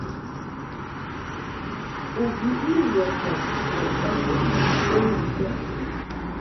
U biʼni yɔ mad ma tadsɨʼ bə ndikə ?